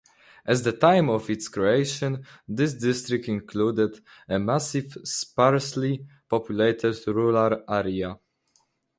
At the time of its creation, this district included a massive, sparsely-populated rural area.